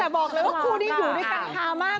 บอกเลยว่าคู่นี้อยู่ด้วยกันฮามาก